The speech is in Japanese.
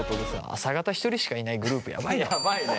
朝型１人しかいないグループやばいよね。